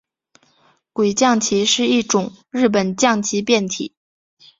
鬼将棋是一种日本将棋变体。